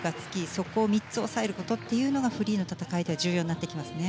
そこを３つ押さえるということがフリーの戦いでは重要になってきますね。